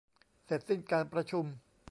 เสร็จสิ้นการประชุม